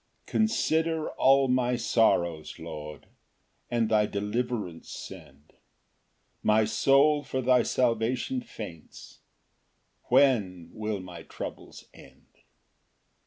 Ver. 153 81 82. 1 Consider all my sorrows, Lord, And thy deliverance send; My soul for thy salvation faints, When will my troubles end?